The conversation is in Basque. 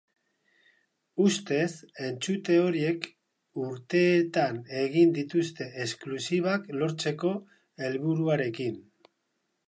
Ustez, entzute horiek urteetan egin dituzte esklusibak lortzeko helburuarekin.